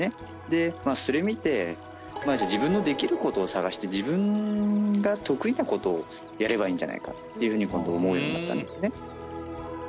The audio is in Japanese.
でそれ見てまあじゃ自分のできることを探して自分が得意なことをやればいいんじゃないかっていうふうに今度思うようになったんですね。